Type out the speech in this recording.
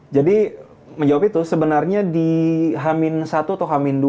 jadi menjawab itu sebenarnya di hamin satu atau hamin dua